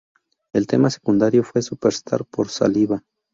El tema secundario fue "Superstar" por Saliva.